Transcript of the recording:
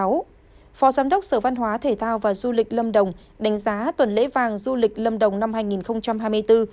phó giám đốc sở văn hóa thể thao và du lịch lâm đồng đánh giá tuần lễ vàng du lịch lâm đồng năm hai nghìn hai mươi bốn